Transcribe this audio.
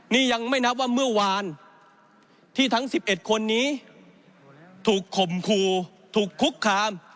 นี่ยังไม่นับว่าเมื่อวานที่ทั้ง๑๑คนนี้ถูกข่มขู่ถูกคุกคาม